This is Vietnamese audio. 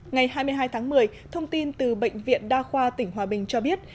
ngày hai mươi hai tháng một mươi thông tin từ bệnh viện đa khoa tỉnh hòa bình cho biết